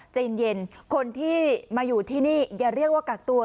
ใจเย็นคนที่มาอยู่ที่นี่อย่าเรียกว่ากักตัว